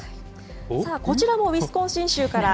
こちらもウィスコンシン州から。